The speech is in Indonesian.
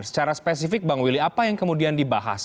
secara spesifik bang willy apa yang kemudian dibahas